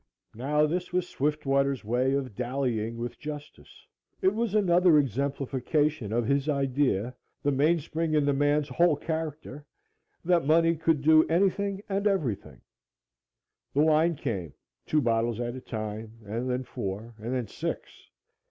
Now, this was Swiftwater's way of dallying with justice. It was another exemplification of his idea the mainspring in the man's whole character that money could do anything and everything. The wine came, two bottles at a time and then four, and then six.